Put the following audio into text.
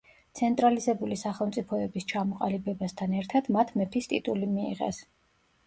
ცენტრალიზებული სახელმწიფოების ჩამოყალიბებასთან ერთად მათ მეფის ტიტული მიიღეს.